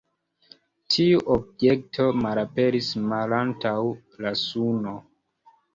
Tiu objekto malaperis malantaŭ la Suno.